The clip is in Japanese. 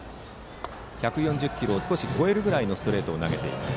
１４０キロを少し超えるぐらいのストレートを投げています。